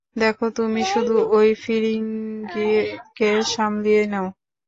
দেখো, তুমি শুধু ঐ ফিরিঙ্গি কে সামলিয়ে নেও।